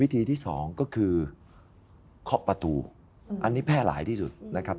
ทีที่สองก็คือเคาะประตูอันนี้แพร่หลายที่สุดนะครับ